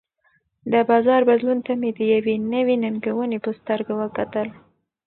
د بازار بدلون ته مې د یوې نوې ننګونې په سترګه وکتل.